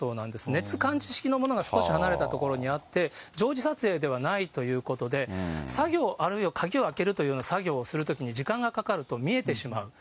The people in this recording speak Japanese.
熱感知式のものが少し離れた所にあって、常時撮影ではないということで、作業、あるいは鍵を開けるという作業をするときに、時間がかかると見えてしまう。